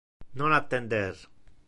Non attender.